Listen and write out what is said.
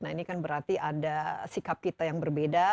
nah ini kan berarti ada sikap kita yang berbeda